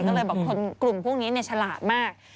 ก็เลยบอกว่ากลุ่มพวกนี้เนี่ยชะลาดมาก